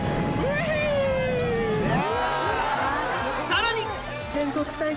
さらに！